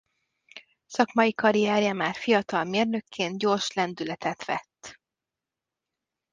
Szakmai karrierje már fiatal mérnökként gyors lendületet vett.